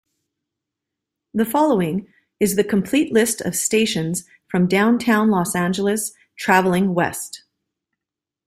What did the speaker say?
The following is the complete list of stations from Downtown Los Angeles traveling west.